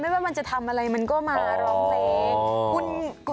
ว่ามันจะทำอะไรมันก็มาร้องเพลง